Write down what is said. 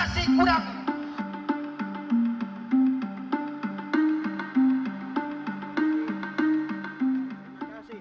kami masih kurang